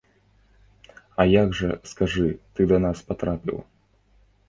А як жа, скажы, ты да нас патрапіў?